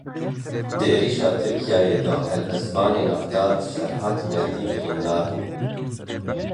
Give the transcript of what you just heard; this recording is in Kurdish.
Di êrişa Tirkiyeyê de helbestvanê navdar Ferhad Merdê birîndar bû.